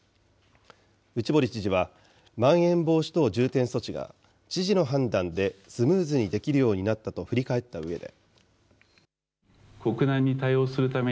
内堀知事は、まん延防止等重点措置が、知事の判断でスムーズにできるようになったと振り返ったうえで。